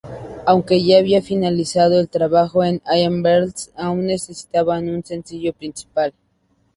Aunque ya habían finalizado el trabajo en "I'm Breathless", aún necesitaban un sencillo principal.